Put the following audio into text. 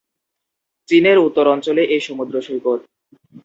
চীনের উত্তর অঞ্চলে এই সমুদ্র সৈকত।